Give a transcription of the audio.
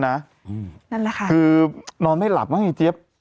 นั่นแหละค่ะคือนอนไม่หลับว่าไงเจี๊ยบ